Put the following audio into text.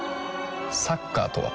サッカーとは？